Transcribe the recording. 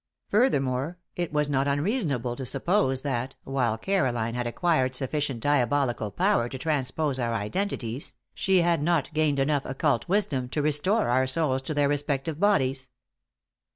Furthermore, it was not unreasonable to suppose that, while Caroline had acquired sufficient diabolical power to transpose our identities, she had not gained enough occult wisdom to restore our souls to their respective bodies.